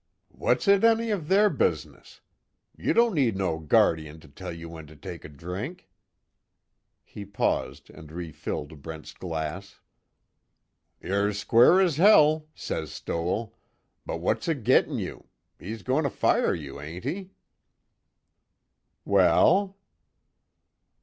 What's it any of their business? You don't need no guardeen to tell you when to take a drink," he paused and refilled Brent's glass. "'Yer square as hell,'" says Stoell "but what's it gittin' you? He's goin' to fire you, ain't he?" "Well?"